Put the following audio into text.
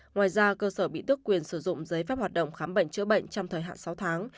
ngoài ra cơ sở bị tước quyền sử dụng giấy phép hoạt động khám bệnh chữa bệnh trong thời hạn sáu tháng